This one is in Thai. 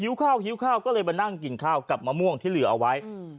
ข้าวหิวข้าวก็เลยมานั่งกินข้าวกับมะม่วงที่เหลือเอาไว้